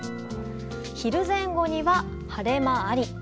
昼前後には晴れ間あり。